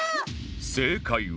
正解は